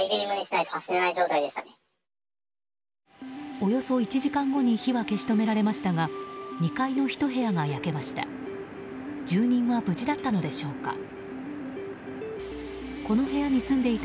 およそ１時間後に火は消し止められましたが２階の１部屋が焼けました。